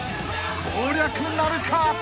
［攻略なるか？］